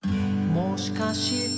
「もしかして」